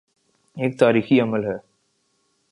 ایک تاریخی عمل ہے۔